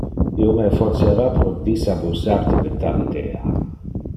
Io me effortiara pro disabusar te de tal idea.